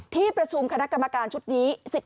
ที่ประชุมคณะกรรมการชุดนี้